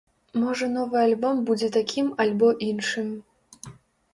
Можа новы альбом будзе такім альбо іншым.